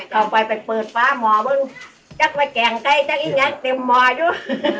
เขาไปไปเปิดฟ้าหมอมึงจั๊กไปแก่งไก่จั๊กอีงแยกเต็มหมออยู่